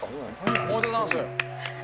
おめでとうございます。